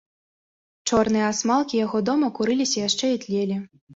Чорныя асмалкі яго дома курыліся яшчэ і тлелі.